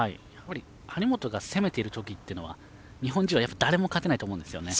張本が攻めているときっていうのは日本人は誰も勝てないと思うんですよね。